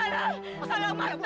ya udah kita bisa